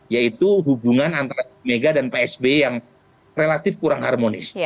yaitu hubungan antara mega dan psb yang relatif kurang harmonis